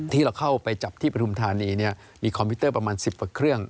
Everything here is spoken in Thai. ที่เราเข้าไปจับที่ปฐุมธานีมีคอมพิวเตอร์ประมาณ๑๐กว่าเครื่อง